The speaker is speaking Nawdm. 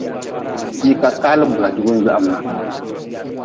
Hii ka kaalin bula jugun gwahmna.